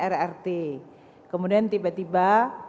rrt kemudian tiba tiba